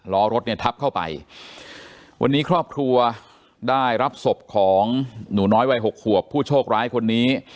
ล้อรถเนี่ยทับเข้าไปวันนี้ครอบครัวได้รับศพของหนูน้อยวัยหกขวบผู้โชคร้ายคนนี้